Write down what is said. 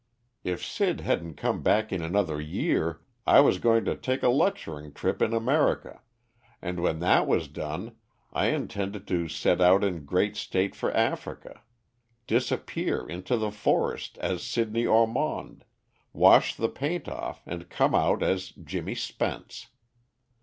If Sid hadn't come back in another year, I was going to take a lecturing trip in America, and when that was done, I intended to set out in great state for Africa, disappear into the forest as Sidney Ormond, wash the paint off and come out as Jimmy Spence.